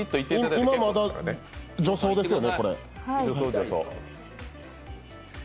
今まだ、助走ですよね。